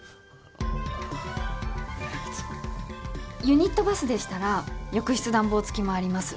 ユニットバスでしたら浴室暖房付きもあります。